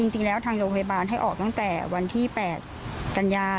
จริงแล้วทางโรงพยาบาลให้ออกตั้งแต่วันที่๘กันยา